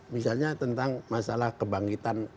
misalnya tentang masalah kebangkitan